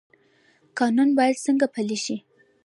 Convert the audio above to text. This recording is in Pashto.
قانون باید څنګه پلی شي؟